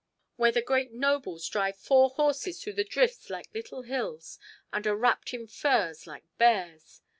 where the great nobles drive four horses through the drifts like little hills, and are wrapped in furs like bears!